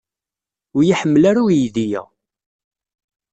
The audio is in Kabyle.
Ur iyi-iḥemmel ara uydi-a.